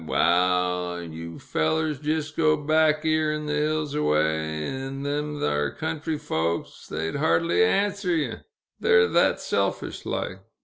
Waal, yew fellers jist go back 'ere in th' hills away, 'n them thar country folks they'd hardly answer ye, they're thet selfish like.